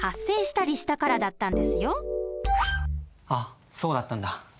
そうだったんだ。